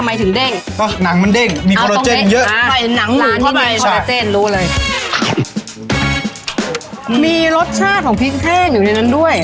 มีรสชาติของพริกแห้งอยู่ในนั้นด้วย